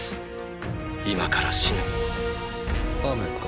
今から死ぬ雨か？